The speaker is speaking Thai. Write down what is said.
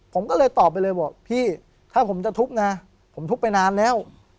ผมก็เลยตอบไปเลยบอกพี่ถ้าผมจะทุบนะผมทุบไปนานแล้ว